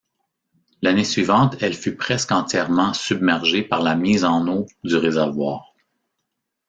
L'année suivante elle fut presque entièrement submergée par la mise en eau du réservoir.